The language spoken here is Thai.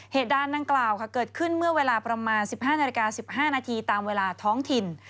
เหตุการณ์ดังกล่าวเกิดขึ้นเมื่อเวลาประมาณ๑๕นาฬิกา๑๕นาทีตามเวลาท้องถิ่น